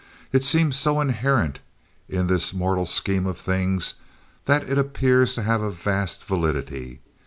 It seems so inherent in this mortal scheme of things that it appears to have a vast validity.